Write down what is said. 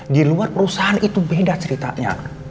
di luar perusahaan itu beda ceritanya